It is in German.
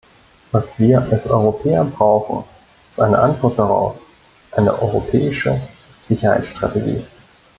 Was wir als Europäer brauchen, ist eine Antwort darauf, eine europäische Sicherheitsstrategie.